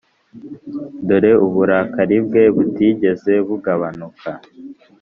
dore uburakari bwe butigeze bugabanuka